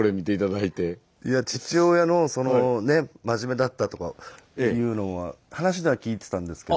いや父親のそのねぇ真面目だったとかというのは話では聞いてたんですけど。